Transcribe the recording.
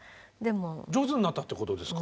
上手になったってことですか？